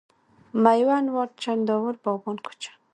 میوند واټ، چنداول، باغبان کوچه،